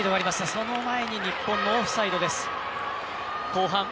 その前に日本のオフサイドです。